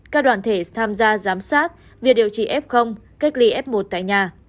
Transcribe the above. các đoàn thể tham gia giám sát việc điều trị f cách ly f một tại nhà